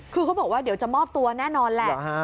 คือเขาบอกว่าเดี๋ยวจะมอบตัวแน่นอนแหละ